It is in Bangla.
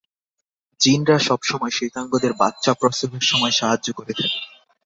জিনরা সবসময় শেতাঙ্গদের বাচ্চা প্রসবের সময় সাহায্য করে থাকে।